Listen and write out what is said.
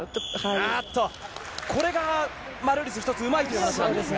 あーっと、これがマルーリス、１つ、うまいところなんですが。